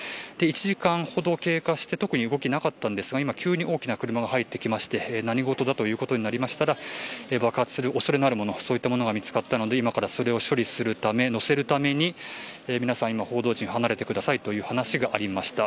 １時間ほど経過して特に動きがなかったんですが今急に大きな車が入ってきまして何事だということになりましたら爆発物そういったものが見つかったのでそれを今から処理するため載せるために皆さん、報道陣は離れてくださいという話がありました。